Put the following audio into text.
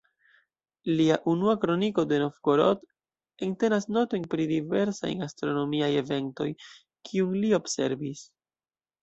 Lia "Unua kroniko de Novgorod" entenas notojn pri diversaj astronomiaj eventoj, kiun li observis.